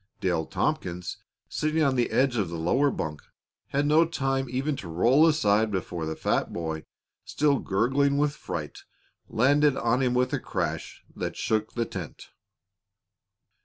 Dale Tompkins, sitting on the edge of the lower bunk, had no time even to roll aside before the fat boy, still gurgling with fright, landed on him with a crash that shook the tent.